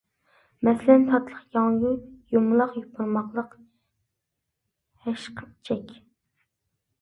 مەسىلەن: تاتلىق ياڭيۇ، يۇمىلاق يوپۇرماقلىق ھەشقىپىچەك.